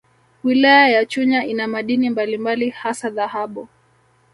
Wilaya ya Chunya ina madini mbalimbali hasa dhahabu